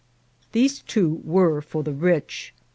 These, too, were for the rich.